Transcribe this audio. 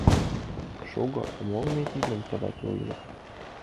Шого, а молан мый тидым тылат ойлем?..